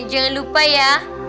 jangan lupa ya